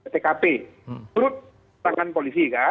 tkp menurut tangan polisi kan